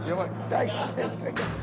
大吉先生が。